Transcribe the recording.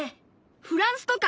フランスとか。